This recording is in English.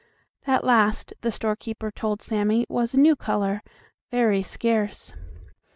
That last, the storekeeper told Sammie, was a new color, very scarce.